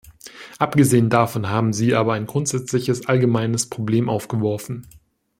Abgesehen davon haben Sie aber ein grundsätzliches, allgemeines Problem aufgeworfen.